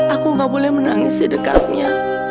aku gak boleh menangis di dekatnya